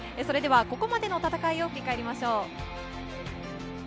ここまでの戦いを振り返りましょう。